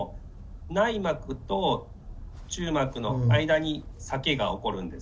内膜、中膜の間に裂けが起こるんです。